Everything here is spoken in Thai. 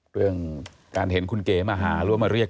เรื่องการเห็นคุณเก๋มาหาหรือว่ามาเรียก